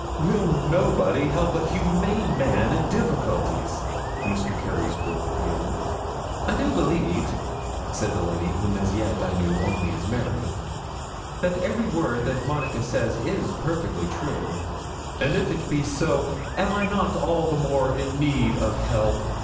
'Will nobody help a humane man in difficulties?' Mr. Carysbroke appealed. 'I do believe,' said the lady whom as yet I knew only as Mary, 'that every word that Monica says is perfectly true.' 'And if it be so, am I not all the more in need of help?